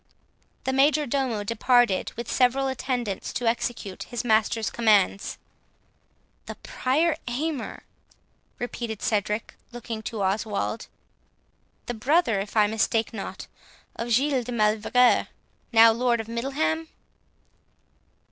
The major domo departed with several attendants, to execute his master's commands. "The Prior Aymer!" repeated Cedric, looking to Oswald, "the brother, if I mistake not, of Giles de Mauleverer, now lord of Middleham?"